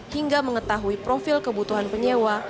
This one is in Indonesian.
hingga mengetahui profil kebutuhan penyewa